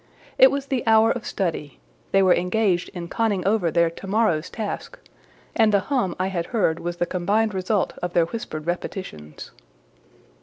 It was the hour of study; they were engaged in conning over their to morrow's task, and the hum I had heard was the combined result of their whispered repetitions.